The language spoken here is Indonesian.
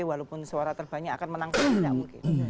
walaupun suara terbanyak akan menangkan enggak mungkin